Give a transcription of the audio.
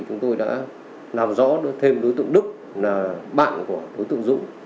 chúng tôi đã làm rõ thêm đối tượng đức là bạn của đối tượng dũng